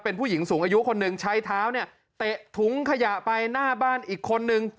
เป็นผู้หญิงสูงอายุคนหนึ่งใช้เท้าเนี่ยเตะถุงขยะไปหน้าบ้านอีกคนนึง